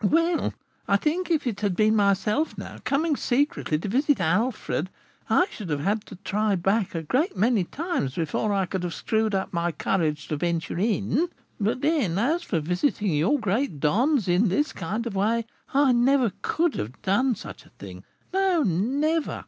"Well, I think if it had been myself now, coming secretly to visit Alfred, I should have had to try back a great many times before I could have screwed up my courage to venture in. But then, as for visiting your great dons in this kind of way, I never could have done such a thing. No, never!